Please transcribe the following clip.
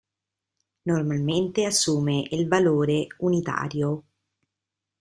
Normalmente assume il valore unitario.